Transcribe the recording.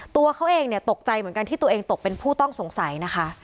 ตัวเขาเองเนี่ยตกใจเหมือนกันที่ตัวเองตกเป็นผู้ต้องสงสัยนะคะ